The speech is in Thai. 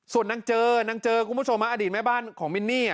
ส่วนนางเจอนางเจอคุณผู้ชมอดีตแม่บ้านของมินนี่